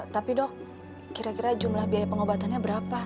tapi dok kira kira jumlah biaya pengobatannya berapa